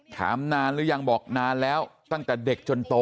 ถามนานหรือยังบอกนานแล้วตั้งแต่เด็กจนโต